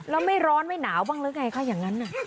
แล้วไม่ร้อนไม่หนาวบ้างหรือไงคะอย่างนั้น